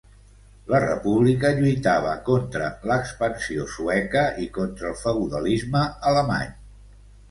La República lluitava contra l'expansió sueca i contra el feudalisme alemany.